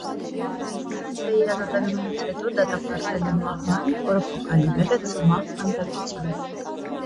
Ֆրանսիայի ազատագրումից հետո դատապարտվել է մահվան, որը փոխարինվել է ցմահ բանտարկությամբ։